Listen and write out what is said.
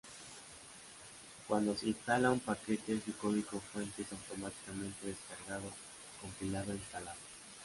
Cuando se instala un paquete su código fuente es automáticamente descargado, compilado e instalado.